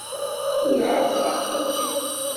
Tura εeqleɣ-kent-id.